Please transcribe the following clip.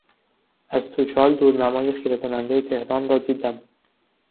از توچال دورنمای خیره کنندهی تهران را دیدم.